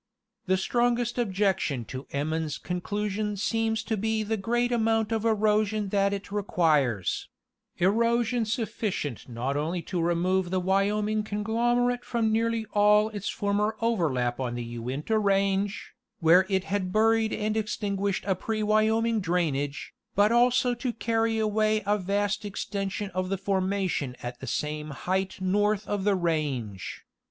The strongest objection to Emmons' conclusion seems to be the great amount of erosion that it requires ; erosion sufficient not only to remove the Wyoming conglomerate from nearly all its former overlap on the Uinta range, where it had buried and extinguished a pre Wyoming drainage, but also to carry away a vast extension of the formation at the same height north of the range.